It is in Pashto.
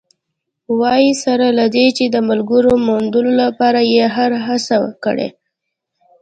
وايي، سره له دې چې د ملګرې موندلو لپاره یې هره هڅه کړې